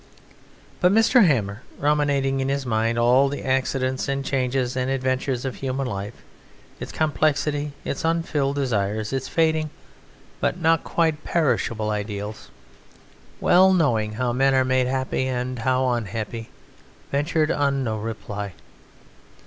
But Mr. Hammer, ruminating in his mind all the accidents and changes and adventures of human life, its complexity, its unfulfilled desires, its fading but not quite perishable ideals, well knowing how men are made happy and how unhappy, ventured on no reply.